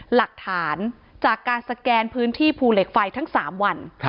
หลักฐานจากการสแกนพื้นที่ภูเหล็กไฟทั้ง๓วัน